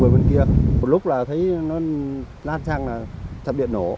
bên kia một lúc là thấy nó lan sang là trạm điện nổ